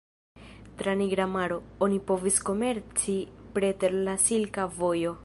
Tra Nigra Maro, oni povis komerci preter la Silka Vojo.